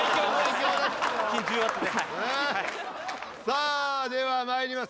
さあではまいります。